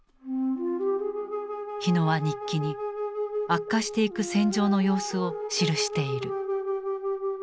火野は日記に悪化していく戦場の様子を記している。